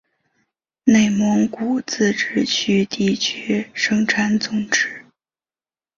内蒙古自治区地区生产总值